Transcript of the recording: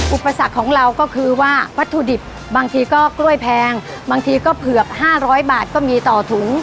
อุปสรรคของเราก็คือว่าวัตถุดิบบางทีก็กล้วยแพงบางทีก็เผือก๕๐๐บาทก็มีต่อถุง